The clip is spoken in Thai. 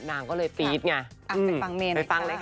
นางก็เลยฟีดไงไปฟังเลยค่ะ